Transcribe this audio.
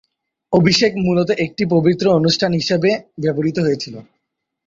অভিষেক মূলত একটি পবিত্র অনুষ্ঠান হিসাবে ব্যবহৃত হয়েছিল।